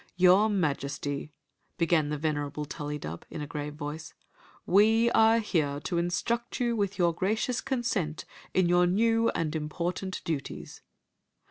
" Your Majesty," began the venerable TuUydub, in a grave voice, " we are here to instruct you, with your gracious consent, in your new and important duties."